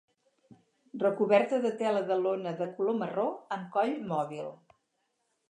Recoberta de tela de lona de color marró, amb coll mòbil.